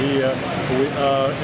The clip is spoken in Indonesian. ini adalah pertama di sejarah islam